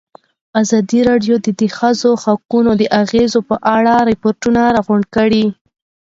ازادي راډیو د د ښځو حقونه د اغېزو په اړه ریپوټونه راغونډ کړي.